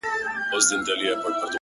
• خو مخته دي ځان هر ځلي ملنگ در اچوم ـ